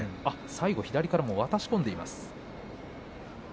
最後左から渡し込んでいます。